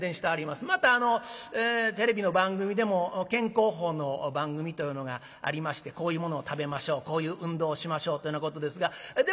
またテレビの番組でも健康法の番組というのがありましてこういうものを食べましょうこういう運動をしましょうというようなことですがで